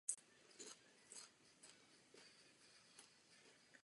Cook navštěvoval Kalifornskou státní Universitu v Long Beach.